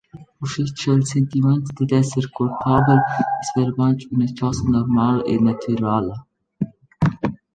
Uschè cha’l sentimaint dad esser cuolpabel es vairamaing üna chosa normala e natürala.